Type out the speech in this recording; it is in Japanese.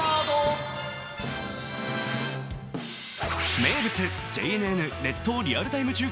名物ＪＮＮ「列島リアルＴＩＭＥ！中継」